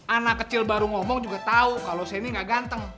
anak kecil baru ngomong juga tahu kalau saya ini gak ganteng